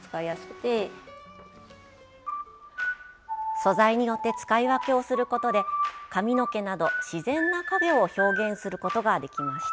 素材によって使い分けをすることで髪の毛など自然な影を表現することができました。